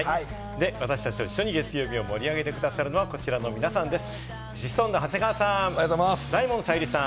私達と一緒に月曜日を盛り上げて下さるのは、こちらの皆さんです。